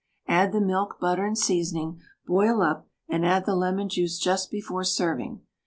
Add the milk, butter, and seasoning, boil up, and add the lemon juice just before serving.